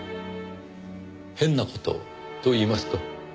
変な事といいますと？